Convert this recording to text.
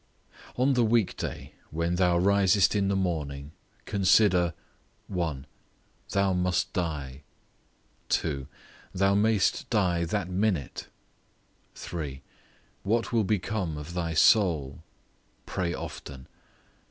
On the week day, when thou risest in the morning, consider, 1. Thou must die; 2. Thou mayst die that minute; 3. What will become of thy soul. Pray often.